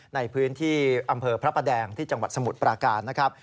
ในพื้นที่อำเภอพระประแดงที่จังหวัดสมุทรปราการนะครับ